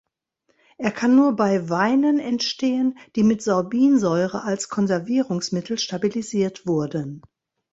Er kann nur bei Weinen entstehen, die mit Sorbinsäure als Konservierungsmittel stabilisiert wurden.